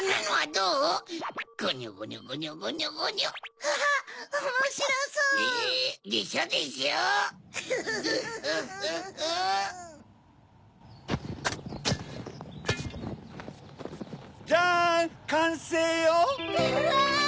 うわ！